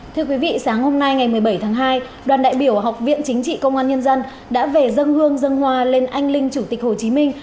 thưa quý vị sáng hôm nay ngày một mươi bảy tháng hai đoàn đại biểu học viện chính trị công an nhân dân đã về dân hương dân hòa lên anh linh chủ tịch hồ chí minh